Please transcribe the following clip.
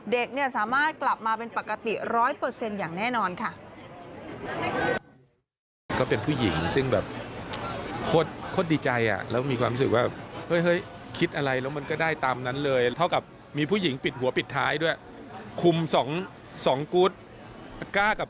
เด็กเนี่ยสามารถกลับมาเป็นปกติ๑๐๐อย่างแน่นอนค่ะ